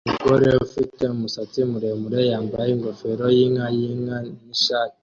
Umugore ufite umusatsi muremure yambaye ingofero yinka yinka nishati